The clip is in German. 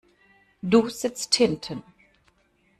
Du sitzt hinten.